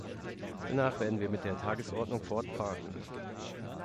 Danach werden wir mit der Tagesordnung fortfahren.